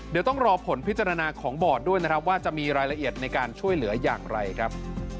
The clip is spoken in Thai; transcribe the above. เดี๋ยวต้องรอผลพิจารณาของบอร์ดด้วยนะครับว่าจะมีรายละเอียดในการช่วยเหลืออย่างไรครับ